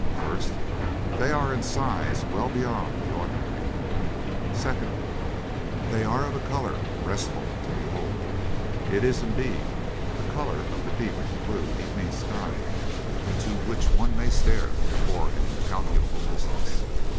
First, they are in size well beyond the ordinary. Secondly, they are of a colour restful to behold. It is, indeed, the colour of the deep, blue evening sky into which one may stare for an incalculable distance.